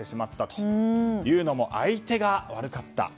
というのも相手が悪かった。